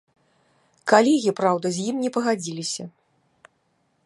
Калегі, праўда, з ім не пагадзіліся.